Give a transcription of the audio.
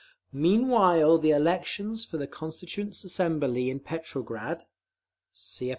Meanwhile the elections for the Constituent Assembly in Petrograd (See App.